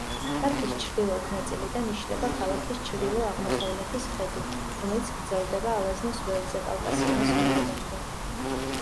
პარკის ჩრდილოეთ ნაწილიდან იშლება ქალაქის ჩრდილო-აღმოსავლეთის ხედი, რომელიც გრძელდება ალაზნის ველზე კავკასიონის მთებამდე.